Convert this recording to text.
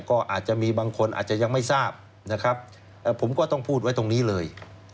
ก็อาจจะมีบางคนอาจจะยังไม่ทราบนะครับผมก็ต้องพูดไว้ตรงนี้เลย